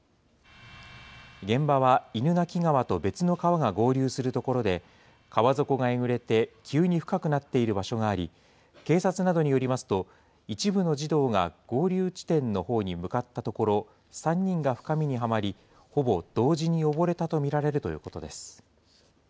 現場は犬鳴川と別の川が合流するところで、川底がえぐれて、急に深くなっている場所があり、警察などによりますと、一部の児童が合流地点のほうに向かったところ、３人が深みにはまり、ほぼ同時に溺れたと見られるということです。